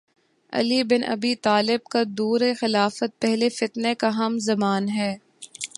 علی bin Abi Talib کا دور خلافت پہلے فتنے کا ہم زمان ہے